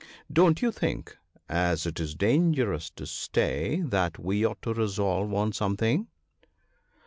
' Don't you think, as it is dangerous to stay, that we ought to resolve on some thing